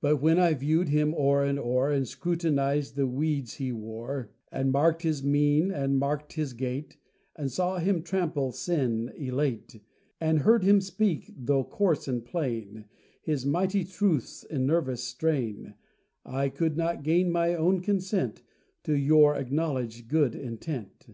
But when I viewed him o'er and o'er, And scrutinized the weeds he wore, And marked his mien and marked his gait, And saw him trample sin, elate, And heard him speak, though coarse and plain, His mighty truths in nervous strain, I could not gain my own consent To your acknowledged good intent.